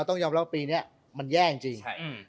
ต้องยาวรอบปีนี้มันแย่จริง